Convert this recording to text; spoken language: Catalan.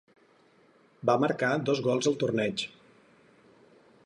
Va marcar dos gols al torneig.